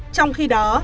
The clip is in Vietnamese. trong khi đó